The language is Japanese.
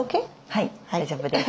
はい大丈夫です。